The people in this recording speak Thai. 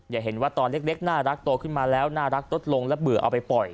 เห็นว่าตอนเล็กน่ารักโตขึ้นมาแล้วน่ารักลดลงและเบื่อเอาไปปล่อย